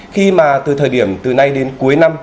khi mà từ thời điểm từ nay đến cuối năm